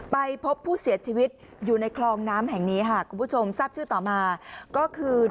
ไปพบผู้เสียชีวิตอยู่ในคลองน้ำแห่งนี้ค่ะคุณผู้ชมทราบชื่อต่อมาก็คือ